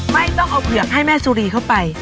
ไม่ต้องเอาเผือกให้แม่สุรีเข้าไป